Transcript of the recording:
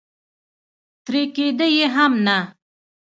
ترې کېده یې هم نه.